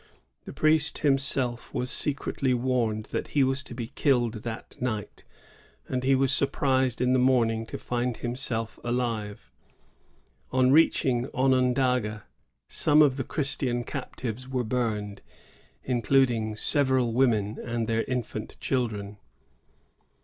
The priest himself was secretly warned that he was to be killed during the night; and he was surprised in the morning to find himself alive. ^ On reaching Onondaga, some of the Christian captives were burned, including several women and their infant children.